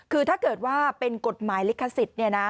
คือถ้าเกิดว่าเป็นกฎหมายลิขสิทธิ์